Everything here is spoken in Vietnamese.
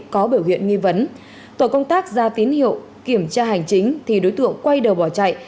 có biểu hiện nghi vấn tổ công tác ra tín hiệu kiểm tra hành chính thì đối tượng quay đầu bỏ chạy